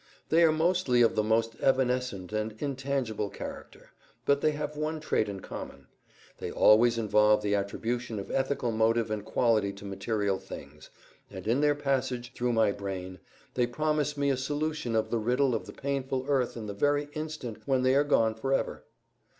They are mostly of the most evanescent and intangible character, but they have one trait in common. They always involve the attribution of ethical motive and quality to material things, and in their passage through my brain they promise me a solution of the riddle of the painful earth in the very instant when they are gone forever.